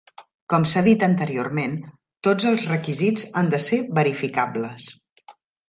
Com s'ha dit anteriorment, tots els requisits han de ser verificables.